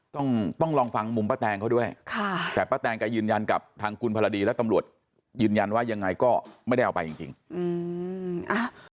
ต้องต้องลองฟังมุมป้าแตงเขาด้วยค่ะแต่ป้าแตงแกยืนยันกับทางคุณพรดีและตำรวจยืนยันว่ายังไงก็ไม่ได้เอาไปจริงจริงอืมอ่า